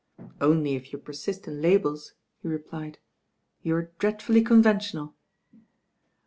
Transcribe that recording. "Only if you persist in labels," Le repUed. "You are dreadfully conventional."